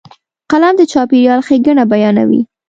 قلم د چاپېریال ښېګڼه بیانوي